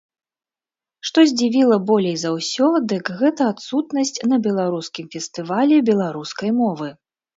Што здзівіла болей за ўсё, дык гэта адсутнасць на беларускім фестывалі беларускай мовы.